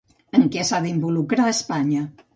En què s'ha d'involucrar Espanya?